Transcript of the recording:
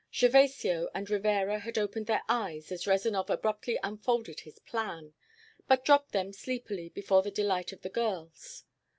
Gervasio and Rivera had opened their eyes as Rezanov abruptly unfolded his plan, but dropped them sleepily before the delight of the girls.